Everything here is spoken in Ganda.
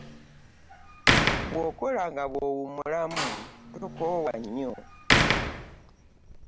Bw'okola nga bw'owummulamu tokoowa nnyo.